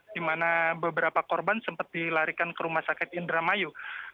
di mana beberapa korban sempat dilarikan ke rumah sakit indramayu